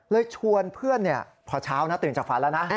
ชวนเพื่อนพอเช้านะตื่นจากฝันแล้วนะ